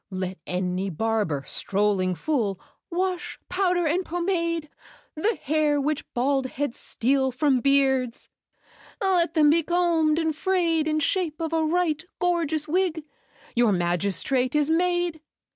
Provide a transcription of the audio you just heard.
"Let any barber, strolling fool, Wash, powder, and pomade The hair which bald heads steal from beards, Let them be combed and frayed In shape of a right gorgeous wig— Your magistrate is made.